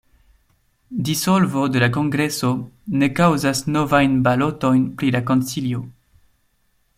Dissolvo de la Kongreso ne kaŭzas novajn balotojn pri la Konsilio.